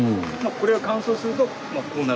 これが乾燥するとこうなる。